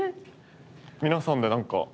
皆さんでなんか。